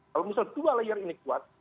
kalau misalnya dua layer ini kuat